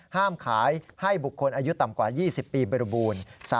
ห้ามขายให้บุคคลอายุต่ำกว่า๒๐ปีบริบูรณ์